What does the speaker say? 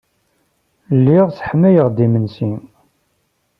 Lliɣ sseḥmayeɣ-d imensi.